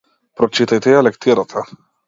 Прочитајте ја лектирата.